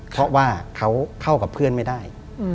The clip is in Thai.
เพราะว่าเขาเข้ากับเพื่อนไม่ได้